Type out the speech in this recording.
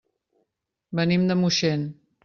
Venim de Moixent.